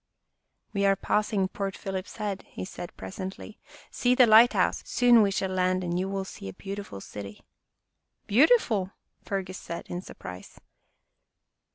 " We are passing Port Phillip's Head," he said presently. " See the lighthouse ! Soon we shall land and you will see a beautiful city." " Beautiful !" Fergus said in surprise.